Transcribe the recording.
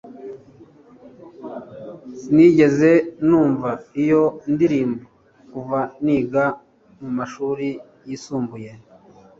sinigeze numva iyo ndirimbo kuva niga mumashuri yisumbuye